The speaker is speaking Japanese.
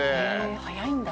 早いんだ。